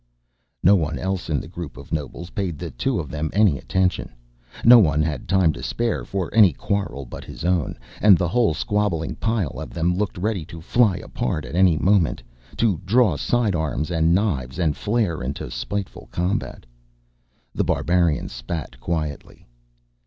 No one else in the group of nobles paid the two of them any attention. No one had time to spare for any quarrel but his own, and the whole squabbling pile of them looked ready to fly apart at any moment to draw sidearms and knives and flare into spiteful combat. The Barbarian spat quietly.